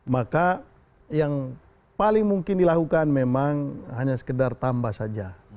maka yang paling mungkin dilakukan memang hanya sekedar tambah saja